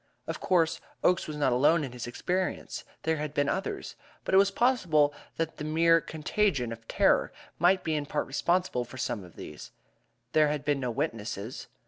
Of course, Oakes was not alone in his experience there had been others but it was possible that the mere contagion of terror might be in part responsible for some of these. There had been no witnesses.